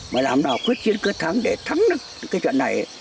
mà làm nào quyết chiến cướp thắng để thắng được cái trận này